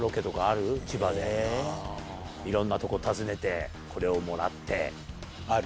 いろんなとこ訪ねてこれをもらって。